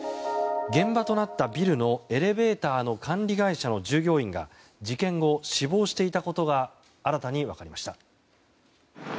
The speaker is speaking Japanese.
現場となったビルのエレベーターの管理会社の従業員が事件後、死亡していたことが新たに分かりました。